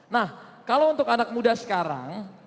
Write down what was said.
nah kalau untuk anak muda sekarang